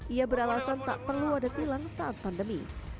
ia beralasan tak perlu ada tilang saat pandemi